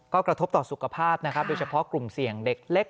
ก็กระทบต่อสุขภาพนะครับโดยเฉพาะกลุ่มเสี่ยงเด็กเล็ก